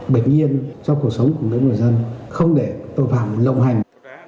bình yên cho cuộc sống của mỗi người dân không để tội phạm lộng hành